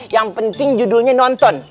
yang penting judulnya nonton